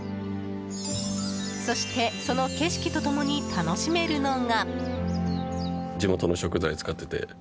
そして、その景色と共に楽しめるのが。